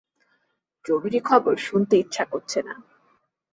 জরুরি খবর শুনতে ইচ্ছা করছে না।